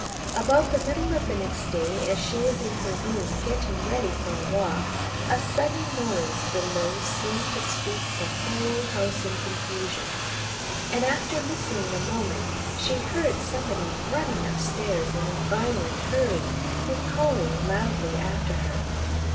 About the middle of the next day, as she was in her room getting ready for a walk, a sudden noise below seemed to speak the whole house in confusion; and, after listening a moment, she heard somebody running upstairs in a violent hurry, and calling loudly after her.